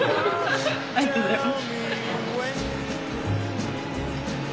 ありがとうございます。